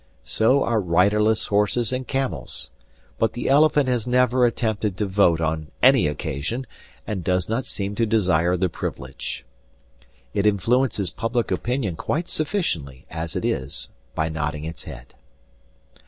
So are riderless horses and camels; but the elephant has never attempted to vote on any occasion, and does not seem to desire the privilege. It influences public opinion quite sufficiently as it is by nodding its head.